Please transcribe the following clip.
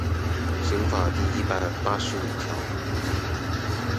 刑法第一百八十五條